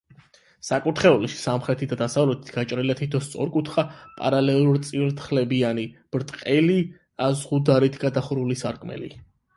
საკურთხეველში, სამხრეთით და დასავლეთით, გაჭრილია თითო სწორკუთხა პარალელურწირთხლებიანი, ბრტყელი ზღუდარით გადახურული სარკმელი.